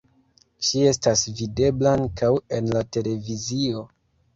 Ŝi estas videbla ankaŭ en la televizio.